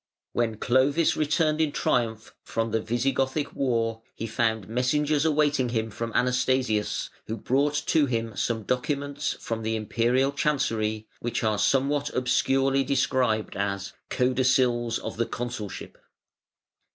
When Clovis returned in triumph from the Visigothic war (508) he found messengers awaiting him from Anastasius, who brought to him some documents from the Imperial chancery which are somewhat obscurely described as "Codicils of the Consulship".